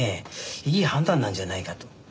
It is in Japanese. いい判断なんじゃないかと。